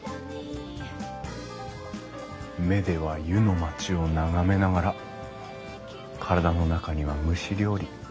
目では湯の町を眺めながら体の中には蒸し料理。